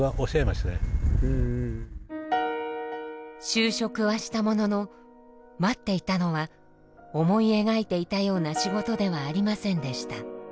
就職はしたものの待っていたのは思い描いていたような仕事ではありませんでした。